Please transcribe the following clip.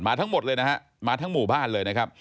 ทั้งหมดเลยนะฮะมาทั้งหมู่บ้านเลยนะครับ